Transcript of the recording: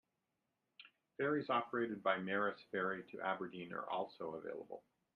Ferries operated by Maris Ferry to Aberdeen are also available.